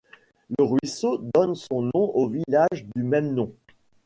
Le ruisseau donne son nom au village du même nom.